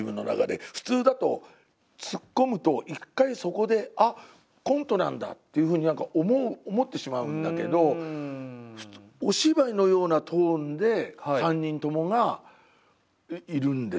普通だとツッコむと一回そこであっコントなんだっていうふうに思ってしまうんだけどお芝居のようなトーンで３人ともがいるんですよ。